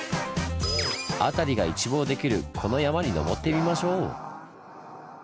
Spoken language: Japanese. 辺りが一望できるこの山に登ってみましょう！